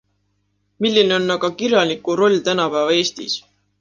Milline on aga kirjaniku roll tänapäeva Eestis?